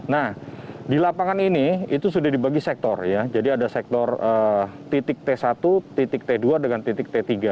nah di lapangan ini itu sudah dibagi sektor ya jadi ada sektor titik t satu titik t dua dengan titik t tiga